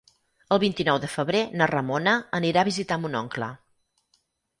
El vint-i-nou de febrer na Ramona anirà a visitar mon oncle.